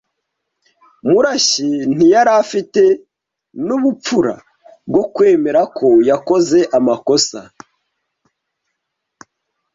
Murashyi ntiyari afite n'ubupfura bwo kwemera ko yakoze amakosa.